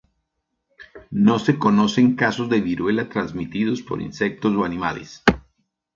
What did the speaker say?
No se conocen casos de viruela transmitidos por insectos o animales.